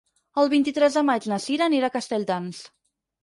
El vint-i-tres de maig na Cira anirà a Castelldans.